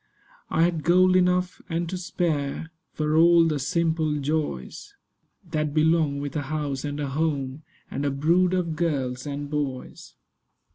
I had gold enough and to spare For all of the simple joys That belong with a house and a home And a brood of girls and boys.